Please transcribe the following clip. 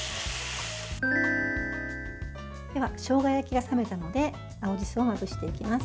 では、しょうが焼きが冷めたので青じそをまぶしていきます。